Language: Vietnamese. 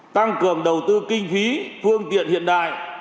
tăng cường đầu tư kinh phí phương tiện hiện đại